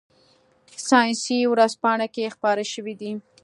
ساینسي ورځپاڼه کې خپاره شوي دي.